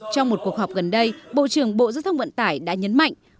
trong một cuộc họp gần đây bộ trưởng bộ giao thông vận tải đã nhấn mạnh